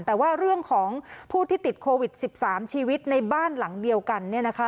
แต่ว่าเรื่องของผู้ที่ติดโควิด๑๓ชีวิตในบ้านหลังเดียวกันเนี่ยนะคะ